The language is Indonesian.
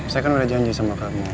saya kan udah janji sama kami